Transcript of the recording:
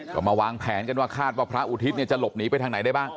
ก็มาวางแผนกันว่าคาดว่าพระอุทิศจะหลบหนีไปทางไหนได้บ้าง